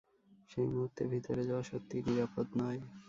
সেই মুহূর্তে, ভিতরে যাওয়া সত্যিই নিরাপদ নয়।